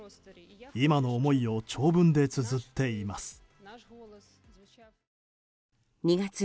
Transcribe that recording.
今の思いを長文でつづっています。